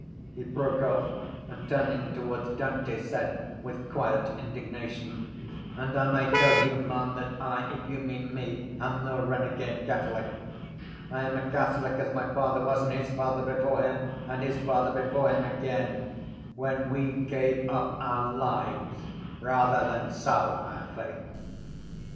He broke off and, turning towards Dante, said with quiet indignation: —And I may tell you, ma’am, that I, if you mean me, am no renegade catholic. I am a catholic as my father was and his father before him and his father before him again when we gave up our lives rather than sell our faith.